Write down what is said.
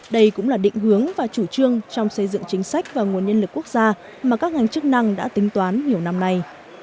đây cũng là định hướng và chủ trương trong xây dựng chính sách và nguồn nhân lực quốc gia mà các ngành chức năng đã tính toán nhiều năm nay